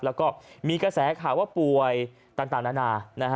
แล้วก็มีกระแสข่าวว่าป่วยต่างนานา